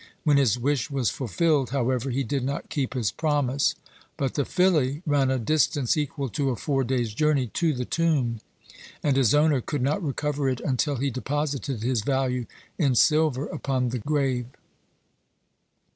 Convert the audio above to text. When his wish was fulfilled, however, he did not keep his promise. But the filly ran a distance equal to a four days' journey to the tomb, and his owner could not recover it until he deposited his value in silver upon the grace.